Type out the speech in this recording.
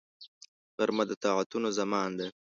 غرمه د طاعتونو زمان ده